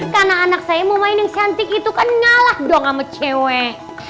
karena anak saya mau main yang cantik itu kan ngalah dong sama cewek